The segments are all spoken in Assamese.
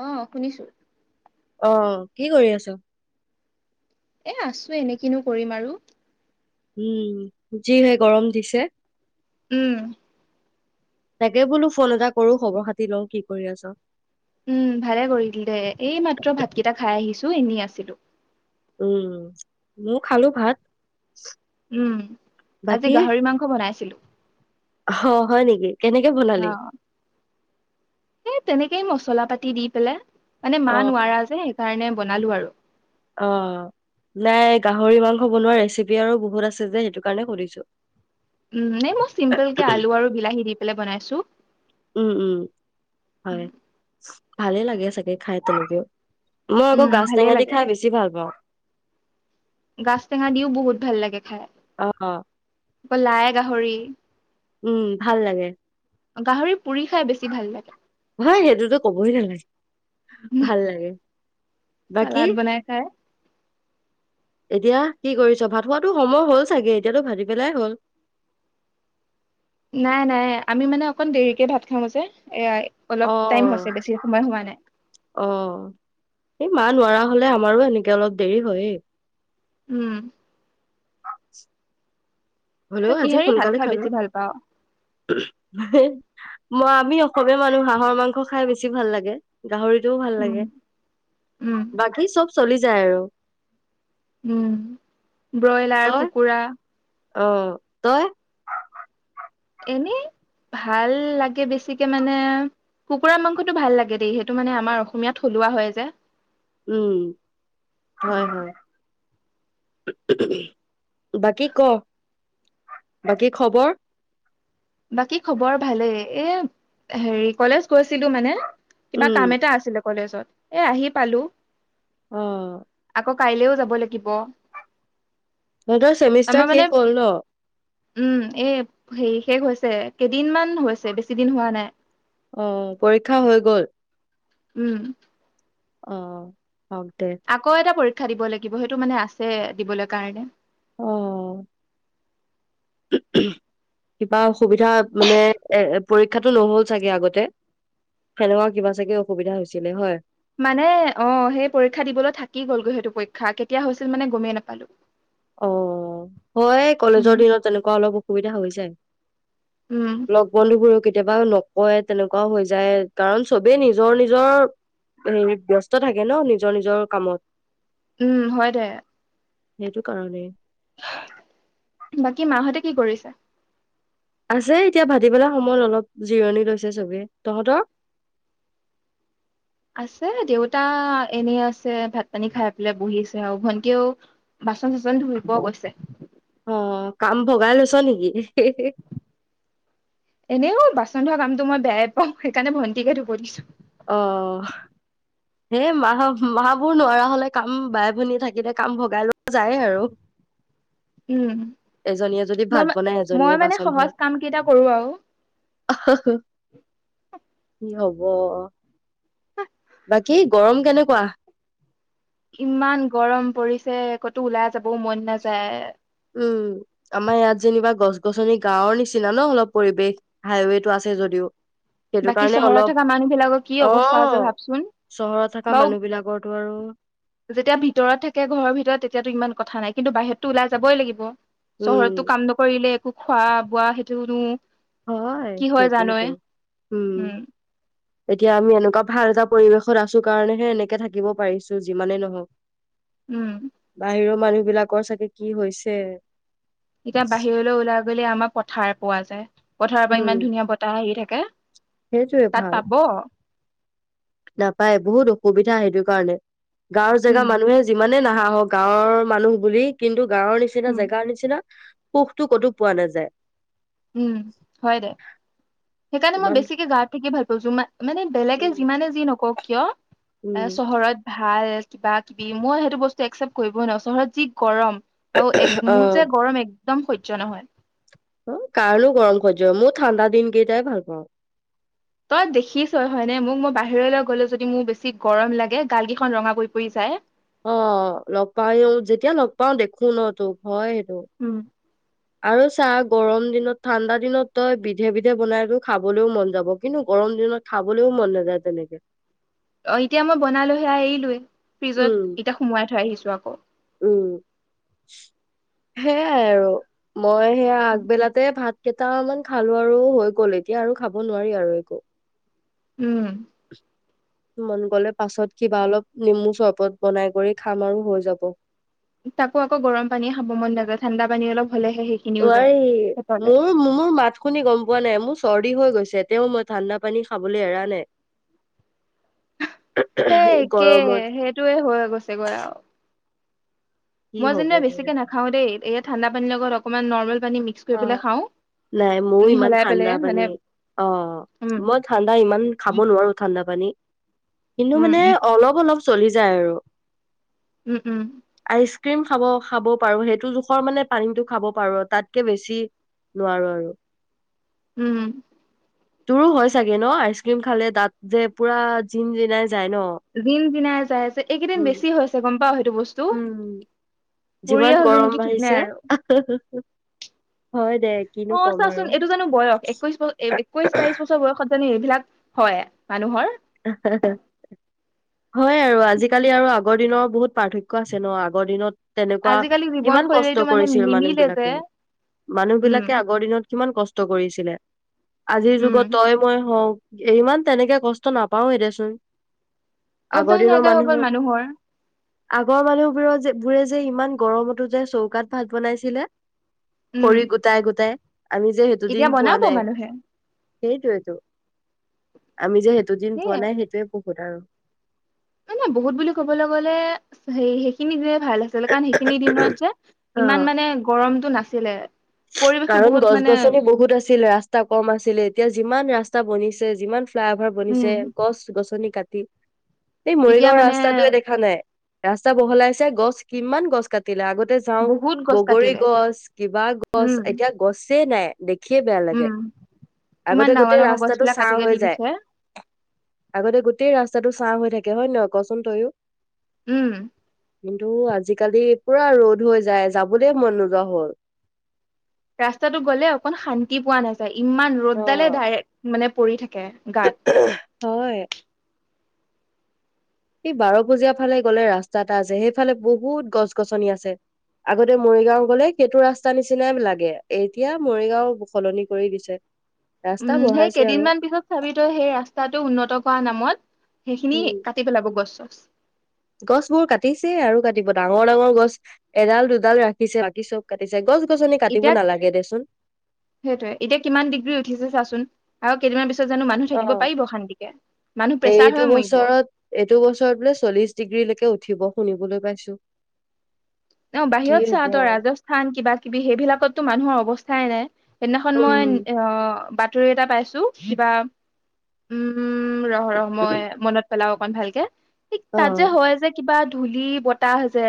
অ', শুনিছো। অ', কি কৰি আছ? এ আছোঁ এনে, কিনো কৰিম আৰু! উম, যি হে গৰম দিছে! উম। তাকে বোলো ফোন এটা কৰোঁ, খবৰ খাতি লওঁ কি কৰি আছ উম ভালে কৰিলি দে, এই মাত্ৰ ভাতকেইটা খাই আহিছোঁ, এনেই আছিলোঁ। উম, মই খালোঁ ভাত। উম, আজি বাকী গাহৰি মাংস বনাইছিলো। অ', হয় নেকি, কেনেকে বনালি? অ এই তেনেকেই মছলা পাতি দি পেলায়। এনে অ মা নোৱাৰা যে সে কাৰণে বনালোঁ আৰু। অ', নাই গাহৰি মাংস বনোৱা ৰেচিপি আৰু বহুত আছে যে সেইটো কাৰণে সুধিছো। উম, মানে মই চিম্পুলকে আলু আৰু বিলাহী দি পেলাই বনাইছো। উম উম হয় ভালে লাগে চাগে খাই তেনেকে। মই আকৌ উম গাজ ভালে টেঙা দি লাগে খাই বেছি ভাল পাওঁ। গাজ টেঙা দিওঁ বহুত ভাল লাগে খাই। অ', অ'। আকৌ লাই গাহৰি। উম, ভাল লাগে। গাহৰি পুৰি খাই বেছি ভাল লাগে। হয় সেইটোতো ক'বই নালাগে, ভাল লাগে। বাকী চালাদ বনাই খায়। এতিয়া কি কৰিছ' ভাত খোৱাটো সময় হ'ল চাগে এতিয়াতো ভাটি বেলাই হ'ল। নাই নাই আমি মানে অকণ দেৰিকে ভাত খাওঁ যে, এইয়া অলপ টাইম অ'। হৈছে বেছি সময় হোৱা নাই। অ', এই মা নোৱাৰা হ'লে আমাৰো এনেকে অলপ দেৰি হয়ে। উম। [inaudible] হ'লেও তই আজি কিহেৰি ভাত সোনকালে খাই খালোঁ। বেছি ভাল পাওঁ আমি অসমীয়া মানুহ হাঁহৰ মাংস খাই বেছি ভাল লাগে। গাহৰিটোও ভাল উম লাগে, উম বাকী চব চলি যায় আৰু। উম, ব্ৰইলাৰ কুকুৰা। অহ, তই? এনেই ভাল লাগে বেছিকে মানে কুকুৰা মাংসটো ভাল লাগে দেই, সেইটো মানে আমাৰ অসমীয়াত থলুৱা হয় যে। উম, হয় উম, হয়। বাকী ক' বাকী খবৰ? বাকী খবৰ ভালেই, এ হেৰি কলেজ কৈছিলো মানে কিবা উম, কাম এটা আছিল। কলেজত, এ আহি পালোঁ। অ'। কাইলেও যাব লাগিব। তহঁতৰ আমাৰ চেমিষ্টাৰ মানে শেষ হ'ল ন'? উম, এ সে শেষ হৈছে, কেইদিনমান হৈছে বেছি দিন হোৱা নাই। অ', পৰীক্ষা হৈ গ'ল? উম। অ'। হওক দে। আকৌ এটা পৰীক খা দিব লাগিব, সেইটো মানে আছে দিবলৈ কাৰণে। অম কিবা অসুবিধা মানে, এ পৰীক্ষাটো নহ'ল চাগে আগতে সেনেকুৱা কিবা চাগে অসুবিধা হৈছিলে হয়। মানে অ' সেই পৰীক্ষা দিবলৈ থাকি গ'লগৈ, সেইটো পৰীক্ষা কেতিয়া হৈছিল মানে গমেই নাপালো। অ', হয় কলেজৰ উম। দিনত তেনেকুৱা অলপ। সুবিধা হৈ যায়। উম, লগ বন্ধুবোৰক কে কেতিয়াবা নকয় তেনেকুৱাও হৈ যায় কাৰণ চবেই নিজৰ নিজৰ হেৰিত ব্যস্ত থাকে ন' নিজৰ নিজৰ কামত। উম, হয় দে। সেইটো কাৰাগে বাকী মাহঁতে কি কৰিছে? আছে, এতিয়া ভাটিবেলা সময়ত অলপ জিৰণি লৈছে চবে, তহঁতৰ? আছে, দেউতা এনে আছে ভাত পানী খাই পেলাই বহিছে আৰু ভন্টিও বাচন চাচন ধুব গৈছে। অ কাম ভগাই লৈছ' নেকি? এ বাচন ধোৱা কামটো মই বেয়াই পাওঁ সেইকাৰণে ভণ্টিকে ধুব দিছো। অ', সেই মাহ মাহবোৰ নোৱাৰা হ'লে কাম বাই ভনী থাকিলে কাম ভগাই লোৱা যায় আৰু। উম, এজনীয়ে যদি মই, ভাত বনাই মই এজনীয়ে মানে সহজ কাম কেইটা কৰোঁ আৰু। অহ। হ'ব। বাকী গৰম কেনেকুৱা? ইমান গৰম পৰিছে ক'তো ওলাই যাবও মন নাযায়। উম, আমাৰ ইয়াত যেনিবা গছ-গছনি গাঁওৰ নিচিনা ন, অলপ পৰিৱেশ হাইৱেটো আছে যদিও। সেইটো বাকী কাৰণে চহৰত অলপ থকা মানুহ বিলাকৰ কি অ অৱস্থা হৈছে ভাবচোন। চহৰত থকা বও মানুহ বিলাকৰতো আৰু যেতিয়া ভিতৰত থাকে ঘৰৰ ভিতৰত তেতিয়াতো ইমান কথা নাই। কিন্তু বাহিৰতো ওলাই যাবই লাগিব। চহৰতটো উম কাম নকৰিলে একো খোৱা বোৱা সেইটোনো হয় কি জানই সেইটোৱেটো উম এতিয়া আমি এনেকুৱা ভাল এটা পৰিৱেশত আছো কাৰণেহে এনেকে থাকিব পাৰিছো যিমানেই নহওক উম বাহিৰৰ মানুহ বিলাকৰ চাগে কি হৈছে এতিয়া বাহিৰলৈও ওলাইব ব আমাৰ পথাৰ পোৱা যায় পথাৰৰ পৰা উম ইমান ধুনীয়া বতাহ আহি থাকে সেইটোয়ে ক তাত ভাল পাব নাপায় বহুত অসুবিধা সেইটো কাৰণে গাঁৱৰ জেগা উম মানুহে যিমানে নাহ হাহ ক গাঁৱৰ মানুহ বুলি কিন্তু গাঁওৰ নিচিনা উম জেগাৰ নিচিনা সুখটো ক'তো পোৱা নাযায় উম হয় দে সেইকাৰণে মই ইমান বেছিকে গাঁওত থাকি ভাল দুয়ো মান মানে বেলেগে উম যিমানে যি নকওক কিয় এ উম, চহৰত ভাল কিবা কিবি মই সেইটো বস্তু একচেপ্ট কৰিবই নোৱাৰো চহৰত যি গৰম আৰু এক অ মোৰ যে গৰম এক একদম সয্য নহয় অ কাৰণো গৰম সয্য মই ঠাণ্ডা দিন কেইটাই ভাল পাওঁ তই দেখিছ হয়নে মোক মই বাহিৰলৈ গলে যদি মোৰ বেছি গৰম লাগে গালকেইখন ৰঙা কৰি পৰি যায় অ লগ পা যেতিয়া লগ পাও দেখো ন তোক হয় উম আৰু চাহ গৰম দিনত ঠাণ্ডা দিনত তই বিধে বিধে বনাইো খাবলৈও মন যাব কিন্তু গৰম দিনত খাবলৈও মন নাযায় তেনেকে অ এতিয়া মই বনালোহে এৰিলোয়ে উম ফ্ৰিজত এতিয়া সোমোৱাই থৈ আহিছো আকৌ উম সেইয়াই আৰু মই সেয়া আগবেলাতে ভাত কেইটামান খালো আৰু হৈ গ'ল এতিয়া আৰু খাব নোৱাৰি আৰু একো। উম। মন গ'লে পাছত কিবা অলপ নেমু চবত বনাই কৰি খাম আৰু হৈ যাব। তাকো আকৌ গৰম পানীয়ে খাব মন নাযায় ঠাণ্ডা পানী অলপ হলেহে সেইখিনিও যায় নোৱাৰি পেটলে মোৰ-মোৰ মাত শুনি গম পোৱা নাই? মোৰ চৰ্দি হৈ গৈছে যে তেও মই ঠাণ্ডা পানী খাবলৈ এৰা নাই। একেই গৰমত সেইটোয়ে হৈ গৈছে গৈ আৰু। কি মই যেন হ'বগে বেছিকে নাখাওঁ দেই ইয় ঠাণ্ডা পানীৰ লগত অকমান নৰ্মেল পানী মিক্স কৰি পেলাই অঁ', খাওঁ নাই মোৰো ইমান মিহলাই পেলাই ঠাণ্ডা মানে পানী অঁ', উম মই ঠাণ্ডা ইমান খাব নোৱাৰো ঠাণ্ডা পানী। কিন্তু উম মানে অলপ, অলপ চলি যায় আৰু। উম, উম। আইচ ক্ৰীম খাব খাব পাৰো সেইটো জোখৰ মানে পানীতটো খাব পাৰো তাত কে বেছি নোৱাৰোঁ আৰু। উম। তোৰো হয় চাগে ন? আইচ ক্ৰীম খালে তাত যে পুৰা জিনজিনাই জিনজিনাই যায় যে এইকেইদিন উম, বেছি গম পাওঁ সেই টো বস্তু। উম, বুঢ়ীয়ে যিমান হলো নেকি গৰম ঠিক বাঢ়িছে। [unintelligible] দে কিনো অঁ', ক'ম চাচোন আৰু। এইটো জানো বয়স? একৈশ বছ-একৈশ বাইশ বছৰ বয়সত জানো এইবিলাক হয় মানুহৰ হয় আৰু আজিকালি আৰু আগৰ দিনৰ বহুত পাৰ্থক্য আছে ন আগৰ দিনত তেনেকুৱা আজিকালি কিমান কষ্ট জীৱনশৈলীটো মানে কৰিছিল মানুহ নিমিলে যে বিলাকে। মানুহ বিলাকে উম আগৰ দিনত কিমান কষ্ট কৰিছিলে। আজিৰ যুগত উম তই মই হওঁ ইমান তেনেকৈ কষ্ট নাপাওঁয়ে দেচোন। আগৰ অভ্যাস দিনৰ নাইকীয়া হৈ গ'ল মানুহত মানুহৰ। আগৰ মানুহবোৰ বোৰে যে ইমান গৰমতো যে চৌকাত ভাত বনাইছিলে। উম খৰি গোটাই, গোটাই। আমি যে সেইটো দিন এতিয়া পোৱা বনাব নাই। মানুহে সেইটোৱেটো, আমি যে দুদিন পোৱা নাই সেইটোৱে বহুত আৰু। মানে বহুত বুলি ক'বলৈ গ'লে হেৰি সেইখিনি যে ভাল আছিলে কাৰণ সেইখিনি দিনত যে অ'। ইমান মানে গৰমটো নাছিলে। পৰিৱেশটো কাৰণ বহুত মানে গছ-গছনি বহুত আছিল ৰাস্তা কম আছিলে এতিয়া যিমান ৰাস্তা বনিছে যিমান ফ্লাই অভাৰ বনিছে উম গছ-গছনি কাট [inaudible] এই এতিয়া মৰিগাঁওৰ মানে ৰাস্তাটোৱে দেখা নাই। ৰাস্তা বহলাইছে গছ কিমান গছ কাট তিলে আগতে যাওঁ বহুত গছ বগৰী কাটিলে গছ, কিবা গছ উম এতিয়া গছেই নাই। দেখিয়ে বেয়া লাগে উম ইমান আগতে ডাঙৰ গোটেই ডাঙৰ গছ ৰাস্তাটো বিলাক চাঁ কাটি হৈ কাটি যায় দিছে। আগতে গোটেই ৰাস্তাটো চাঁ হৈ থাকে হয় নহয় কচোন তয়ো। উম। কিন্তু আজিকালি পুৰা ৰ'দ হৈ যায় যাবলৈ মন নোযোৱা হ'ল। ৰাস্তাটো গ'লে অকন শান্তি পোৱা নাযায়। ইমান অ ৰ'দডালে ধাৰে মানে পৰি থাকে। কে হয় গাত সে বাৰ পূজীয়া ফালে গলে ৰাস্তা এটা আছে সেইফালে বহুত গছ-গছনি আছে আগতে মৰিগাঁও গ'লে সেইটো ৰাস্তা নিচিনাই লাগে এতিয়া মৰিগাঁও সলনি কৰি দিছে। ৰাস্তা উম, সেই বঢ়াইছে আৰু কেইদিনমান পিছত চাবি তই সেই ৰাস্তাটো উন্নত কৰা নামত সেইখিনি কাটি পেলাব গছ গছ বোৰ কাটিছে আৰু কাটিব ডাঙৰ, ডাঙৰ গছ এডাল দুডাল ৰাখিছে বাকী চব কাটিছে গছ গছনি কাটিব এতিয়া নালাগে দেচোন সেইটোৱে এতিয়া কিমান ডিগ্ৰী উঠিছে চাচোন। আৰু কেইদিনমান পিছ অ', মানুহ প্ৰেছাৰ এইটো হৈ মৰিব বছৰত এইটো বছৰত বোলে চল্লিশ ডিগ্ৰীলৈকে উঠি উঠিব শুনিবলৈ পাইছো। ন' কি বাহিৰত চা হব তই ৰাজস্থান কিবা কিবি সেইবিলাকটো মানুহৰ অৱস্থা চাইনাই। সেইদিনাখন মই উম অহ, বাট এটা পাইছো কিবা, উম উম, ৰহ ৰহ মই মনত পেলাওঁ। অমান ভালকে। ঠিক অ তাত যে হয় যে কিবা ধূলি বতাহ হৈছে।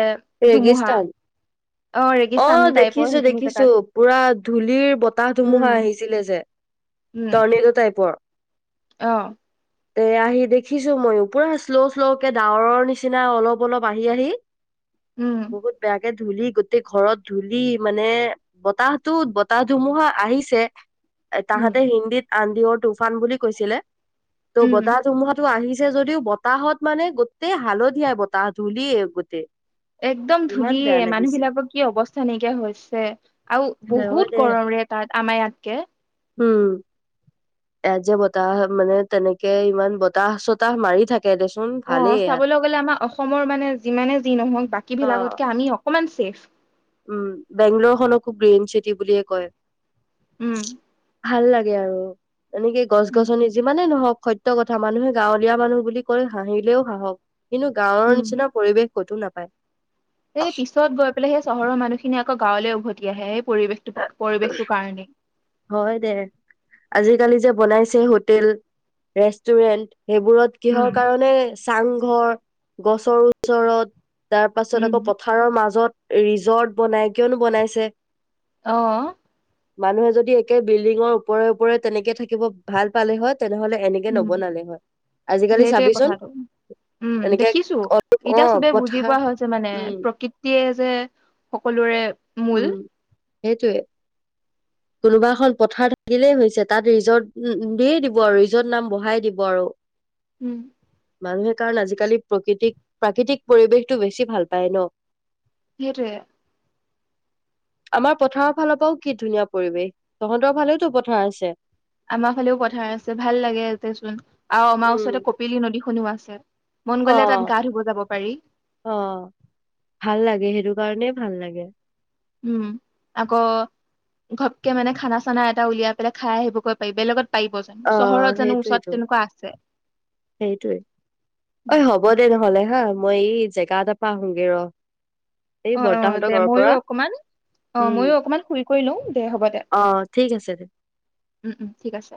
ৰেগিস্তান ৰেগিস্তান অ', টাইপৰ দেখিছো সেইখিনি দেখিছো জেগাত পুৰা ধূলিৰ বতাহ উম ধুমুহা আহিছিলে যে। টৰ্নেডো টাইপৰ। অহ। তে আহি দেখিছো মই পুৰা শ্ল' শ্ল'কে ডাৱৰৰ নিচিনা অলপ অলপ আহি আহি উম বহুত বেয়াকে ধূলি গোটেই ঘৰত। ধূলি, মানে, বতাহটোত বতাহ-ধুমুহা আহিছে উম তাহাতে হিন্দীত আঁধিৰ তুফান বুলি কৈছিলে ত', উম বতাহ-ধুমুহাটো আহি ছে যদিও। বতাহত, মানে, গোটেই হালধীয়াই। বতাহ, ধূলিয়ে গোটেই একদম ইমান ধূলিয়ে। বেয়া লাগিছে মানুহবিলাকৰ কি অৱস্থা নাইকিয়া হৈছে। আৰু হয় দে বহুত গৰম ৰে তাত আমৰ ইয়াতকে উম, ইয়াত যে বতাহ, মানে, তেনেকে ইমান বতাহ-চতাহ মাৰি থাক অ', চাবলৈ গ'লে আমাৰ অসমৰ, মানে, যিমানে যি নহওক, বাকী অ'। বিলাকতকে আমি অ কমান চেফ উম, বেংগালৰখনকো গ্ৰীণ চিটি বুলিয়েই কয়। উম। ভাল লাগে আৰু এনেকে গছ-গছনি যিমানে নহওক সত্য কথা। মানুহে গাঁৱলীয়া মানুহ বুলি কয়। হাঁহিলেও হাঁহক কিন্তু গাঁৱৰ উম নিচিনা পৰিৱেশ ক'তো নাপায় এই পিছত গৈ পেলাই সেই চহৰৰ মানুহখি খিনি আকৌ গাঁৱলৈ উভতি আহে। পৰিৱেশটো, পৰিৱেশটো কাৰণে হয় দে আজিকালি যে বনাইছে হোটেল, ৰেষ্টুৰেণ্ট সেইবোৰত কিহৰ উম কাৰণে চাংঘৰ গছৰ ওচৰত তাৰ পাছত উম আকৌ পথাৰৰ মাজত ৰিজৰ্ট বনাই কিয়নো বনাইছে। অহ। মানুহে যদি একে বিল্ডিঙৰ ওপৰে ওপৰে তেনেকে থাকিব ভাল পালেহত উম, আজিকালি সেইটোৱে চাবিচোন কথাটো উম, এনেকে দেখিছো অ এতিয়া চবেই বুজি পথাৰ পোৱা হৈছে মানে উম প্ৰকৃতিয়ে যে সকলোৰে মূল উম। সেইটোৱে। কোনোবা এখন পথাৰ থাকিলেই হৈছে তাত ৰিজৰ্ট দিয়ে দিব আৰু ৰিজৰ্ট নাম বঢ়াই দিব আৰু। উম। মানুহে কাৰণ আজিকালি প্ৰকৃতিক প্ৰাকৃতিক পৰিৱেশটো বেছি ভাল পায় ন'। সেইটোৱে। আমাৰ পথাৰৰ ফালৰ পৰাও কি ধুনীয়া পৰিৱেশ, তহঁতৰ ফালেওতো পথাৰ আছে। আমাৰ ফালেও পথাৰ আছে ভাল লাগেতেচোন আৰু আমাৰ উম ওচৰতে কপিলি নদী শুনোৱা আছে মন অ গ'লে তাত গা ধুব যাব পাৰি অ ভাল লাগে সেইটো কাৰণে ভাল লাগে উম আকৌ ঘপকে মানে খানা চানা এটা উলিয়াই পেলাই খাই আহিবগৈ পাৰি বে লগত অ সেইটোোৱেইটো আছে। সেইটোোৱে অ হ'ব দে নহ'লে হা মই এই জেগা এ পাহোগৈ ৰ এই অ অ বৰ্তাহঁতৰ দে ঘৰৰ ময়ো পৰা অকমান অ উম ময়ো অকমান শুই কৰি লওঁ দে হ'ব দে অ ঠিক আছে উম উম ঠিক আছে